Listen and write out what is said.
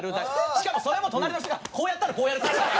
しかもそれも隣の人がこうやったらこうやる。